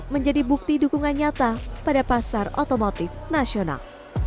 menjadi bukti dukungan nyata pada pasar otomotif nasional